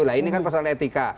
nah ini kan persoalan etika